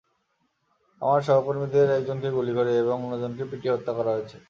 আমার সহকর্মীদের একজনকে গুলি করে এবং অন্যজনকে পিটিয়ে হত্যা করা হয়েছে।